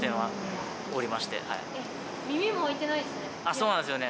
そうなんですよね。